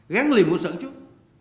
gắn liền của sản xuất